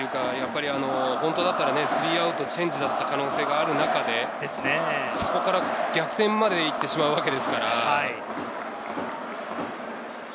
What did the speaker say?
本当だったら３アウトチェンジだった可能性がある中でそこから逆転まで行ってしまうわけですから。